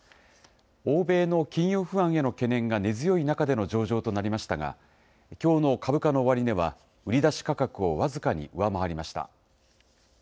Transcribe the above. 欧米の金融不安への懸念が根強い中での上場となりましたが、きょうの株価の終値は、売り出し価格を僅かに上回りました。